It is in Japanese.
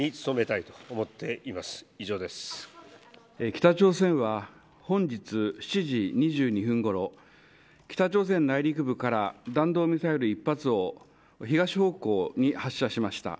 北朝鮮は本日７時２２分ごろ北朝鮮内陸部から弾道ミサイル１発を東方向に発射しました。